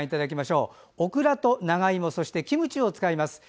オクラと長芋そしてキムチを使います。